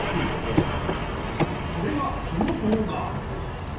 それがこの動画。